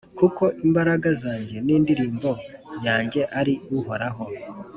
kuko imbaraga zanjye n’indirimbo yanjye ari Uhoraho,